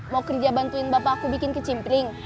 mau kerja bantuin bapak aku bikin kecimpling